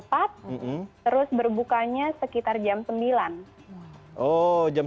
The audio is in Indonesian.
terus berbukanya sekitar jam sembilan